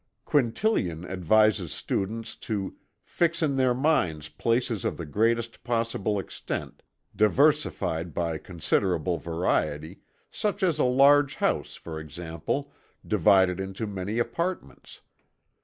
Quintillian advises students to "fix in their minds places of the greatest possible extent, diversified by considerable variety, such as a large house, for example, divided into many apartments.